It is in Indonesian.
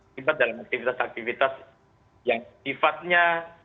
akibat dalam aktivitas aktivitas yang sifatnya